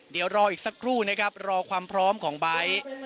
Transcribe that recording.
เดี๋ยวรออีกสักครู่นะครับรอความพร้อมของไบท์